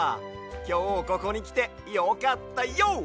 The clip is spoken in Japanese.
きょうここにきてよかったＹＯ！